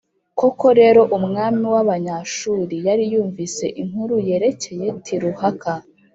Koko rero, umwami w’Abanyashuru yari yumvise inkuru yerekeye Tiruhaka,